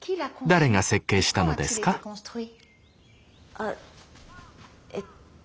あえっと。